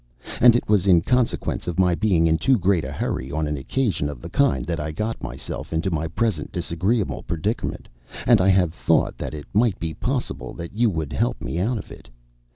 And it was in consequence of my being in too great a hurry on an occasion of the kind that I got myself into my present disagreeable predicament, and I have thought that it might be possible that you would help me out of it.